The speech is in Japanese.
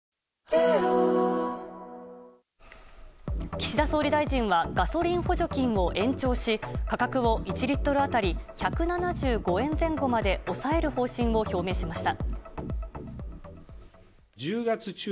岸田総理はガソリン補助金を延長し価格を１リットル当たり１７５円前後まで抑える方針を表明しました。